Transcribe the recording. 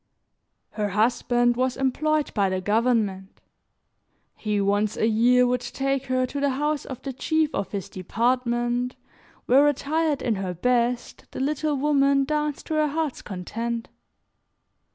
Her husband was employed by the government; he, once a year, would take her to the house of the chief of his department where, attired in her best, the little woman danced to her heart's content.